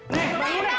neng bangun neng